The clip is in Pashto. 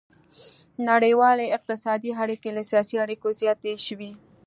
نړیوالې اقتصادي اړیکې له سیاسي اړیکو زیاتې شوې